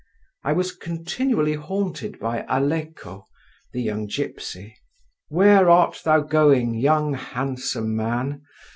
I was continually haunted by Aleko, the young gipsy—"Where art thou going, young handsome man?